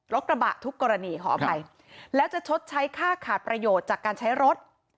กระบะทุกกรณีขออภัยแล้วจะชดใช้ค่าขาดประโยชน์จากการใช้รถ